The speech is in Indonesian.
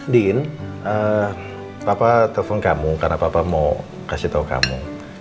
din papa telfon kamu karena papa mau kasih tau kamu